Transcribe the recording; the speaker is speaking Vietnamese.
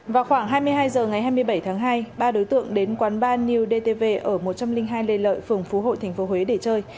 vào khoảng hai mươi hai h ngày hai mươi bảy tháng hai ba đối tượng đến quán bar new dtv ở một trăm linh hai lê lợi phường phú hội tp huế để chơi